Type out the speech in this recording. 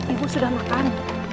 ibu sudah makan